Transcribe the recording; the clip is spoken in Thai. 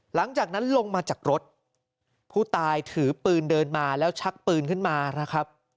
หลังจากนั้นลงมาจากรถผู้ตายถือปืนเดินมาแล้วชักปืนขึ้นมานะครับ